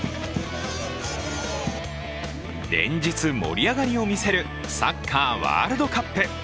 連日、盛り上がりを見せるサッカーワールドカップ。